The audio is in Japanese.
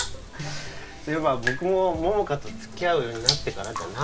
そういえば僕も桃香とつきあうようになってからだな。